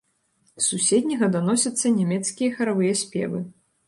З суседняга даносяцца нямецкія харавыя спевы.